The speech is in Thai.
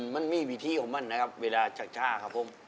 มันมีวิธีของมันนะครับเวลาชักช่าครับผม